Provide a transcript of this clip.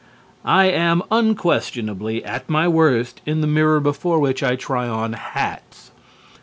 I am unquestionably at my worst in the mirror before which I try on hats.